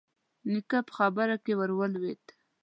نيکه په خبره کې ور ولوېد: